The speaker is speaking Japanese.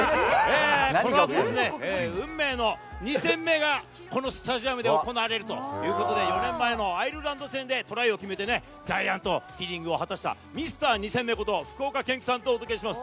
このあとですね、運命の２戦目がこのスタジアムで行われるということで、４年前のアイルランド戦でトライを決めてね、ジャイアントキリングを果たしたミスター２戦目こと、福岡堅樹さんとお届けします。